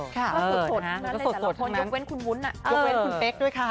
ถ้าสดทั้งนั้นเลยแต่ละคนยกเว้นคุณวุ้นยกเว้นคุณเป๊กด้วยค่ะ